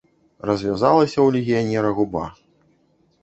Развязалася ў легіянера губа.